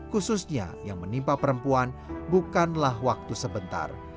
khususnya yang menimpa perempuan bukanlah waktu sebentar